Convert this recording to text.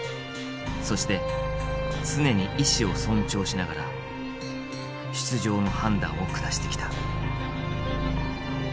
そして常に意思を尊重しながら出場の判断を下してきた。